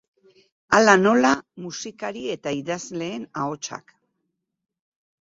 Hala nola musikari eta idazleen ahotsak.